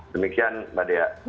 demikian mbak dea